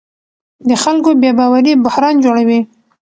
د خلکو بې باوري بحران جوړوي